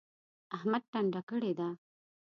احمد ټنډه کړې ده.